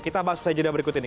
kita bahas usai jeda berikut ini